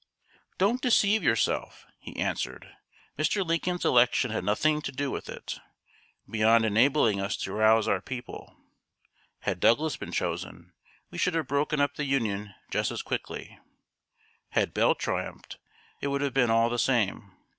] "Don't deceive yourself," he answered. "Mr. Lincoln's election had nothing to do with it, beyond enabling us to rouse our people. Had Douglas been chosen, we should have broken up the Union just as quickly. Had Bell triumphed, it would have been all the same.